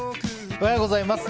おはようございます。